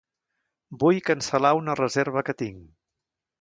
Vull cancel·lar una reserva que tinc.